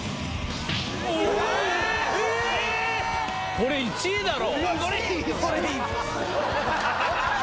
これ１位だろ！